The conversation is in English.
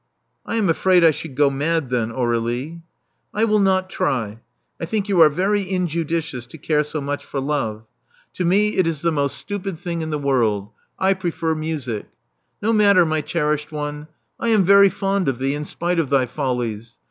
'' I am afraid I should go mad then, Aur^lie." I will not try. I think you are very injudicious to care so much for love. To me, it is the most stupid 364 Love Among the Artists thing in the world. I prefer music. No matter^ my cherished one : I am very fond of thee, in spite of thy follies.